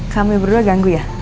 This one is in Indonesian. kamu berdua ganggu ya